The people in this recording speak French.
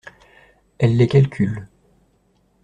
Elle les calcule.